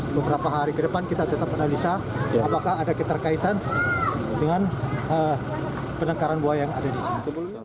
beberapa hari ke depan kita tetap analisa apakah ada keterkaitan dengan penangkaran buaya yang ada di sini